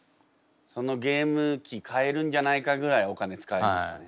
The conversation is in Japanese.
そのゲーム機買えるんじゃないかぐらいお金使いましたね。